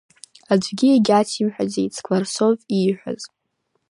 Аӡәгьы егьацимҳәаӡеит Скварцов ииҳәаз.